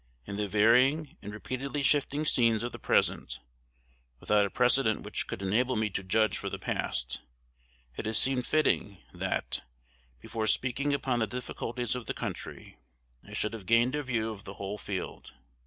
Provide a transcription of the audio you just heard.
In the varying and repeatedly shifting scenes of the present, without a precedent which could enable me to judge for the past, it has seemed fitting, that, before speaking upon the difficulties of the country, I should have gained a view of the whole field.